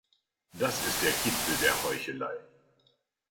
Das ist der Gipfel der Heuchelei.